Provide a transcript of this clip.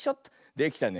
できたね。